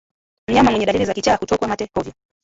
Mnyama mwenye dalili za kichaa hutokwa mate hovyo